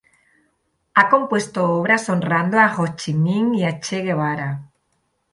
Ha compuesto obras honrando a Hồ Chí Minh y a Che Guevara.